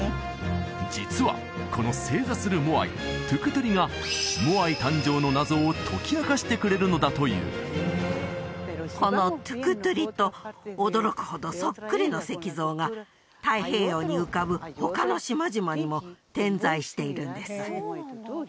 実はこの正座するモアイトゥクトゥリがモアイ誕生の謎を解き明かしてくれるのだというこのトゥクトゥリと驚くほどそっくりの石像が太平洋に浮かぶ他の島々にも点在しているんです